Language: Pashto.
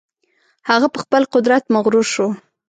هغه په خپل قدرت مغرور شو.